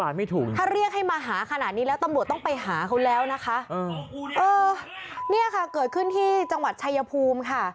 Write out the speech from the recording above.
ถ้าเรียกให้มาหาขนาดนี้แล้วตำรวจต้องไปหาเขาแล้วนะคะเออเนี่ยค่ะเกิดขึ้นที่จังหวัดชายภูมิค่ะ